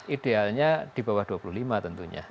idealnya di bawah dua puluh lima tentunya